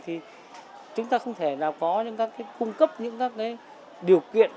thì chúng ta không thể nào có những cái cung cấp những cái điều kiện